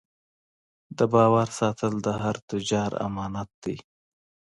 د باور ساتل د هر تجارت امانت دی.